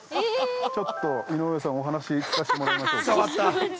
ちょっと、井上さん、お話し聞かせてもらいましょうか。